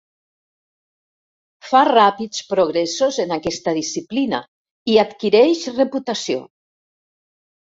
Fa ràpids progressos en aquesta disciplina i adquireix reputació.